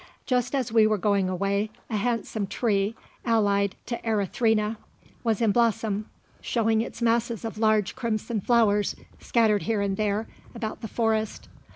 Just as we were going away, a handsome tree, allied to Erythrina, was in blossom, showing its masses of large crimson flowers scattered here and there about the forest.